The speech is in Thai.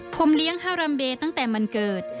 ผมเลี้ยงฮารัมเบย์ตั้งแต่วันเกิด